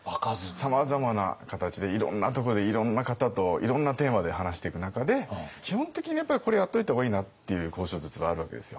さまざまな形でいろんなところでいろんな方といろんなテーマで話していく中で基本的にやっぱりこれはやっておいた方がいいなっていう交渉術はあるわけですよ。